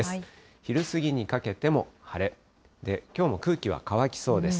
昼過ぎにかけても晴れで、きょうも空気は乾きそうです。